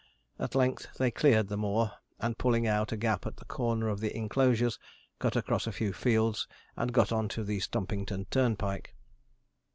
At length they cleared the moor, and, pulling out a gap at the corner of the inclosures, cut across a few fields, and got on to the Stumpington turnpike.